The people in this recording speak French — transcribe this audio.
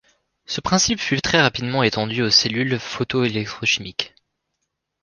Ce principe fut très rapidement étendu aux cellules photoélectrochimiques.